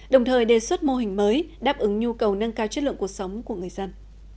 đồng thời đề xuất mô hình mới đáp ứng nhu cầu nâng cao chất lượng cuộc sống của người dân